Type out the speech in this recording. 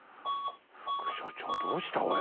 副所長どうしたおい。